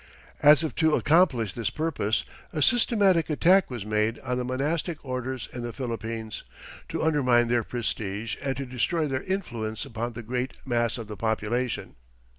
As if to accomplish this purpose, a systematic attack was made on the monastic orders in the Philippines, to undermine their prestige and to destroy their influence upon the great mass of the population.